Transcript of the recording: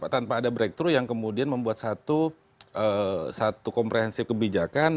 tanpa ada breakthroug yang kemudian membuat satu komprehensif kebijakan